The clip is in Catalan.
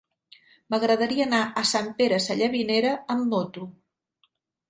M'agradaria anar a Sant Pere Sallavinera amb moto.